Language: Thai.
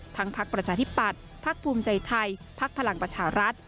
พักประชาธิปัตย์พักภูมิใจไทยพักพลังประชารัฐ